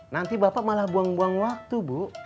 nanti bapak malah buang buang waktu bu